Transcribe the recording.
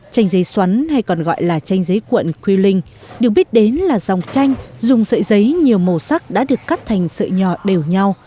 chanh giấy xoắn hay còn gọi là chanh giấy cuộn quy linh được biết đến là dòng chanh dùng sợi giấy nhiều màu sắc đã được cắt thành sợi nhỏ đều nhau